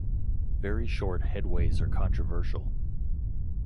Very short headways are controversial.